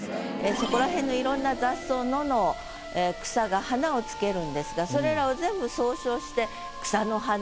そこら辺の色んな雑草野の草が花をつけるんですがそれらを全部総称して「草の花」って。